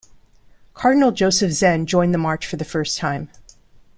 Cardinal Joseph Zen joined the march for the first time.